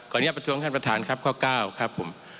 อนุญาตประท้วงท่านประธานครับข้อ๙ครับผม